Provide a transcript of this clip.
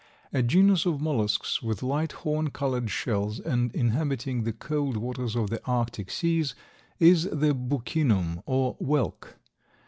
A genus of mollusks with light horn colored shells, and inhabiting the cold waters of the Arctic seas, is the Buccinum, or whelk.